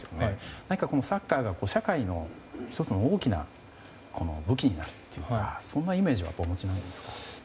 何かサッカーが社会の１つの大きな武器になるというかそんなイメージはお持ちですか？